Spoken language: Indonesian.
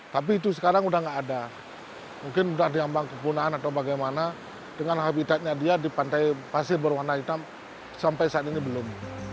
tapi itu sekarang udah nggak ada mungkin sudah diambang kepunahan atau bagaimana dengan habitatnya dia di pantai pasir berwarna hitam sampai saat ini belum